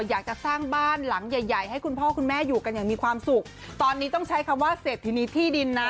อยากจะสร้างบ้านหลังใหญ่ใหญ่ให้คุณพ่อคุณแม่อยู่กันอย่างมีความสุขตอนนี้ต้องใช้คำว่าเศรษฐินีที่ดินนะ